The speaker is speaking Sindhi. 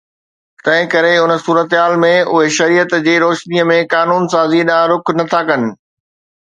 تنهن ڪري ان صورتحال ۾ اهي شريعت جي روشنيءَ ۾ قانون سازي ڏانهن رخ نه ٿا ڪن